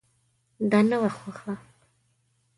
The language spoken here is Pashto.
دا نه وه خوښه.